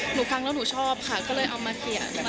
หนูฟังแล้วหนูชอบค่ะก็เลยเอามาเขียน